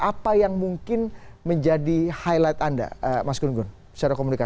apa yang mungkin menjadi highlight anda mas gun gun secara komunikasi